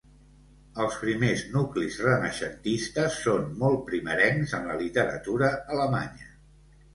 Els primers nuclis renaixentistes són molt primerencs en la literatura alemanya.